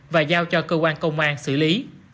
và giao cho cơ quan công an xử lý